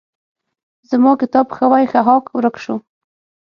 زما کتاب ښوی ښهاک ورک شو.